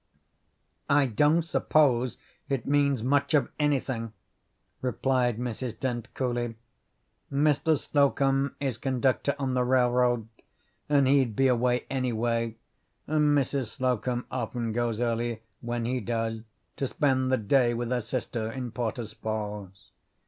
"I don't suppose it means much of anything," replied Mrs. Dent coolly. "Mr. Slocum is conductor on the railroad, and he'd be away anyway, and Mrs. Slocum often goes early when he does, to spend the day with her sister in Porter's Falls.